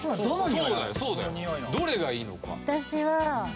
「どれがいいのか」